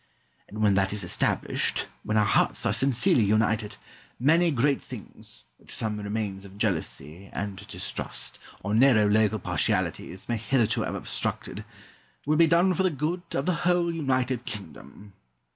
And when that is established, when our hearts are sincerely united, many great things, which some remains of jealousy and distrust, or narrow local partialities, may hitherto have obstructed, will be done for the good of the whole United Kingdom.